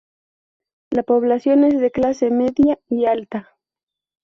La población es de clase media y alta.